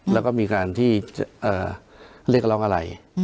แล้วก็มีการที่เรียกร้องอะไร